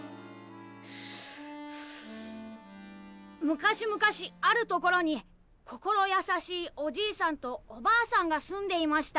「昔々あるところに心優しいおじいさんとおばあさんが住んでいました」。